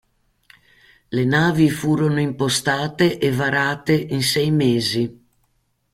Le navi furono impostate e varate in sei mesi.